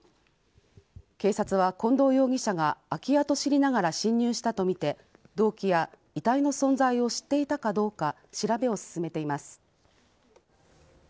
警察は近藤容疑者が空き家と知りながら侵入したと見て、動機や遺体の存在を知っていたかどうか、調べを進めています。